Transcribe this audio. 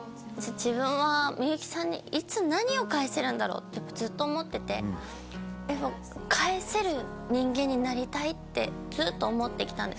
自分は美由紀さんにいつ何を返せるんだろうってやっぱずっと思ってて返せる人間になりたいってずっと思ってきたんです